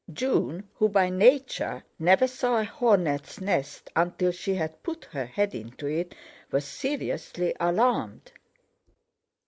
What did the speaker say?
June, who by nature never saw a hornet's nest until she had put her head into it, was seriously alarmed.